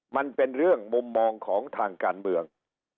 มันเป็นเรื่องมุมมองของทางการเมือง